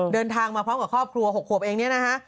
เดินทางมาพร้อมกับครอบครัว๖ขวบเองเนี่ยนะฮะ